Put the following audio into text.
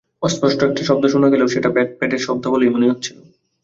অস্পষ্ট একটা শব্দ শোনা গেলেও সেটা ব্যাট-প্যাডের শব্দ বলেই মনে হচ্ছিল।